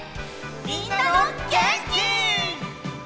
みんなのげんき！